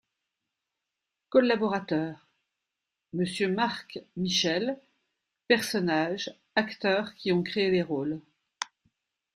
COLLABORATEUR : Monsieur MARC-MICHEL PERSONNAGES ACTEURS qui ont créé les rôles.